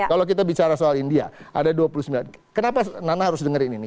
kalau kita bicara soal india ada dua puluh sembilan kenapa nana harus dengerin ini